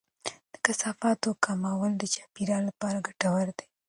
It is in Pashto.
د کثافاتو کمول د چاپیریال لپاره ګټور دی.